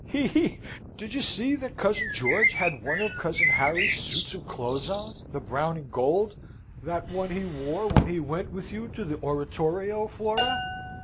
"He! he! Did you see that cousin George had one of cousin Harry's suits of clothes on the brown and gold that one he wore when he went with you to the oratorio, Flora?"